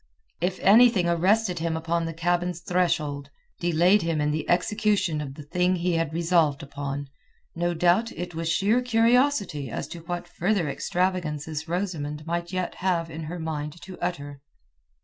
If anything arrested him upon the cabin's threshold, delayed him in the execution of the thing he had resolved upon, no doubt it was sheer curiosity as to what further extravagances Rosamund might yet have it in her mind to utter.